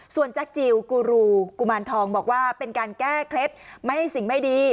ส่วนแจ็คจิลกูรูกุมารทองบอกว่าเป็นการแก้เคล็ดไม่ให้สิ่งไม่ดี